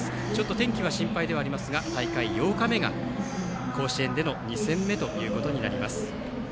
ちょっと天気は心配ですが大会８日目が甲子園での２戦目となります。